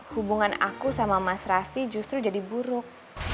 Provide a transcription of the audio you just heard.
hubungan aku sama mas raffi justru jadi buruk